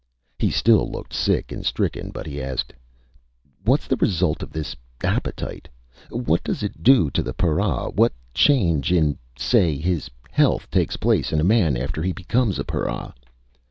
He still looked sick and stricken. But he asked: "What's the result of this ... appetite? What does it do to a para? What change in ... say ... his health takes place in a man after he becomes a para?"